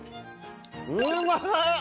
うまっ！